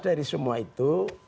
dari semua itu